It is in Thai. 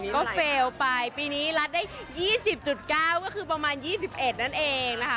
ก็เฟลล์ไปปีนี้รัดได้๒๐๙ก็คือประมาณ๒๑นั่นเองนะคะ